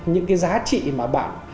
những cái giá trị mà bạn